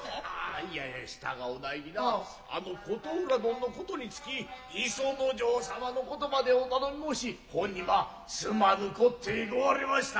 イヤイヤしたが御内儀なあの琴浦どんの事につき磯之丞様の事までお頼み申しほんにまあすまぬこってごわりました。